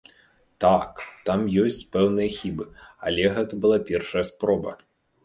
Так, там ёсць пэўныя хібы, але гэта была першая спроба.